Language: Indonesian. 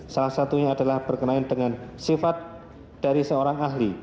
salah satunya adalah berkenaan dengan sifat dari seorang ahli